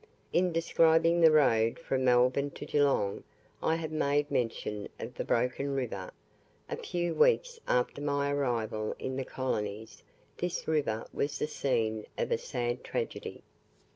In describing the road from Melbourne to Geelong, I have made mention of the Broken River. A few weeks after my arrival in the colonies this river was the scene of a sad tragedy.